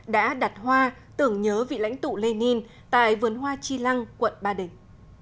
đã đặt hoa tưởng nhớ vị lãnh tụ lenin tại vườn hoa chi lăng quận ba đình